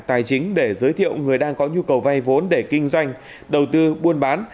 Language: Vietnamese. tài chính để giới thiệu người đang có nhu cầu vay vốn để kinh doanh đầu tư buôn bán